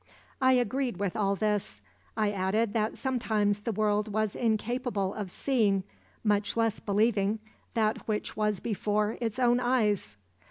I agreed with all this. I added that sometimes the world was incapable of seeing, much less believing, that which was before its own eyes.